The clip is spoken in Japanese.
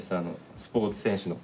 スポーツ選手の。